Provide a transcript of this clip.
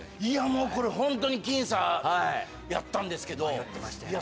もうこれホントに僅差やったんですけど迷ってましたよね